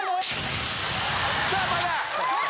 さぁまだ。